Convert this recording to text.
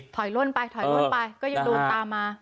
ถอยล่วนไปก็อยู่ดูตามมา